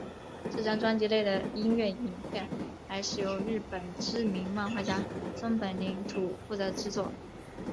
这张专辑内的音乐影片还是由日本知名漫画家松本零士负责制作。